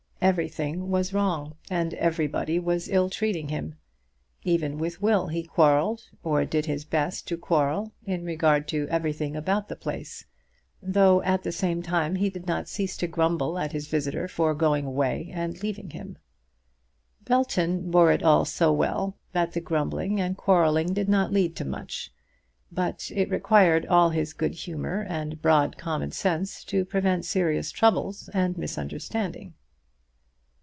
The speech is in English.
Everything was wrong, and everybody was ill treating him. Even with Will he quarrelled, or did his best to quarrel, in regard to everything about the place, though at the same time he did not cease to grumble at his visitor for going away and leaving him. Belton bore it all so well that the grumbling and quarrelling did not lead to much; but it required all his good humour and broad common sense to prevent serious troubles and misunderstanding.